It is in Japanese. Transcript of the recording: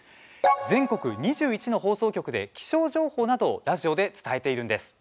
全国２１の放送局で気象情報などラジオで伝えているんです。